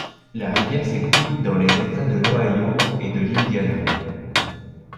La rivière s'écoule dans les États de l'Ohio et de l'Indiana.